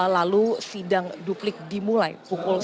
lalu sidang duplik dimulai pukul sepuluh